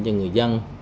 cho người dân